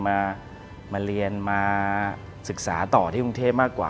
มาเรียนมาศึกษาต่อที่กรุงเทพมากกว่า